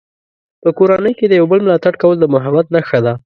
په کورنۍ کې د یو بل ملاتړ کول د محبت نښه ده.